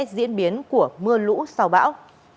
diễn biến của mưa lũ sau bão